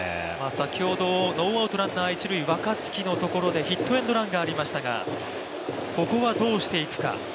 先ほどノーアウトランナー、一塁、若月のところでヒットエンドランがありましたがここはどうしていくか？